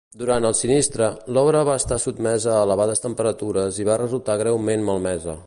Durant el sinistre, l'obra va estar sotmesa a elevades temperatures i va resultar greument malmesa.